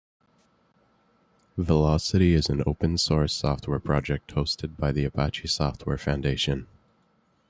Velocity is an open source software project hosted by the Apache Software Foundation.